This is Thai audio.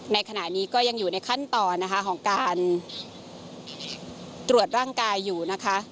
ในขณะนี้ก็ยังอยู่ในขั้นตอนนะคะของการตรวจร่างกายอยู่นะคะ